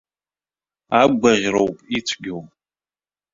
Агәаӷьроуп ицәгьоу.